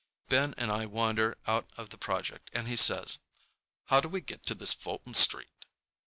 Ben and I wander out of the project and he says, "How do we get to this Fulton Street?"